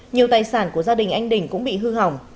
nhiều tài sản của gia đình anh đình cũng bị hư hỏng